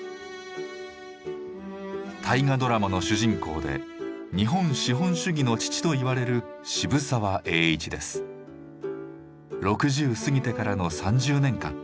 大河ドラマの主人公で日本資本主義の父といわれる６０過ぎてからの３０年間